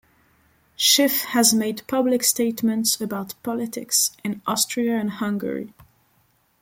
Schiff has made public statements about politics in Austria and Hungary.